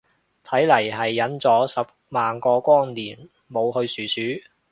睇嚟係忍咗十萬個光年冇去殊殊